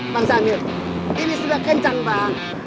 bang zahmil ini sudah kencang bang